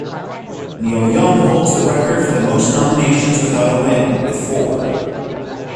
Neil Young holds the record for the most nominations without a win, with four.